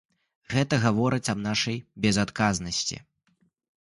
Гэта гаворыць аб нашай безадказнасці.